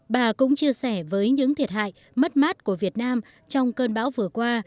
bà cũng chia sẻ với những thiệt hại mất mát của việt nam trong cơn bão vừa qua